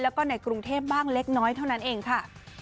แล้วก็ในกรุงเทพบ้างเล็กน้อยเท่านั้นเองค่ะ